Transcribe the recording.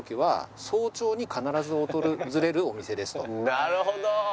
なるほど。